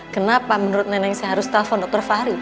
kenapa menurut neneng saya harus telpon dokter fahri